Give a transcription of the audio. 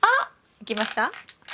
いきました？